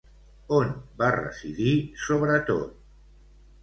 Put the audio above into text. On va residir sobretot?